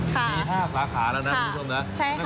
ที๕สาขาแล้วเนอะคุณผู้ชมนะใช่ค่ะ